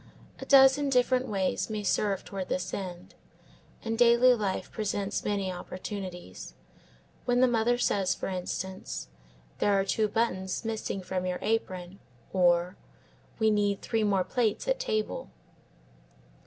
A dozen different ways may serve toward this end, and daily life presents may opportunities; when the mother says, for instance, "There are two buttons missing from your apron," or "We need three more plates at table."